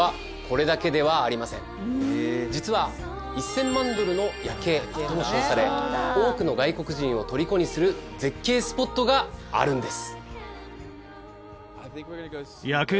実は１０００万ドルの夜景と称され多くの外国人をとりこにする絶景スポットがあるんです。